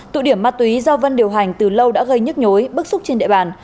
tụi điểm ma túy do vân điều hành từ lâu đã gây nhức nhối bức xúc trên đệ bàn